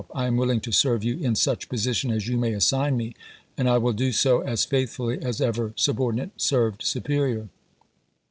I am willing to serve you in such position as you may assign me, and I will do so as faithfully as ever subordinate served superior.